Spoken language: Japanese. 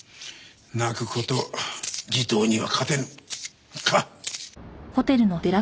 「泣く子と地頭には勝てぬ」か。